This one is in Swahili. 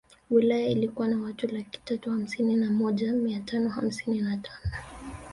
Wilaya ilikuwa na watu laki tatu hamsini na moja mia tano hamsini na tano